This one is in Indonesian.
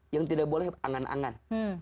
yang tidak boleh angan angan